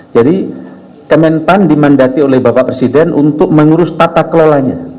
jadi kementan dimandati oleh bapak presiden untuk mengurus tata kelolanya